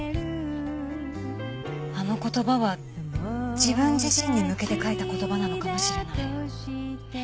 あの言葉は自分自身に向けて書いた言葉なのかもしれない。